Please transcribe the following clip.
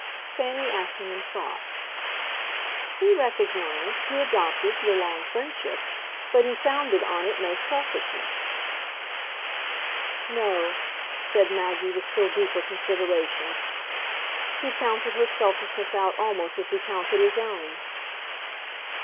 Fanny Assingham thought. "He recognised, he adopted, your long friendship. But he founded on it no selfishness." "No," said Maggie with still deeper consideration: "he counted her selfishness out almost as he counted his own."